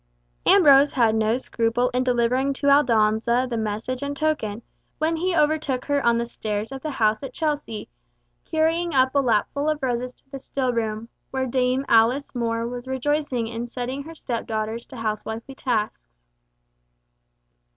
Ambrose had no scruple in delivering to Aldonza the message and token, when he overtook her on the stairs of the house at Chelsea, carrying up a lapful of roses to the still room, where Dame Alice More was rejoicing in setting her step daughters to housewifely tasks.